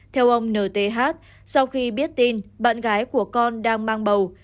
theo ông nth sau khi biết tin bạn gái của con đang mang bầu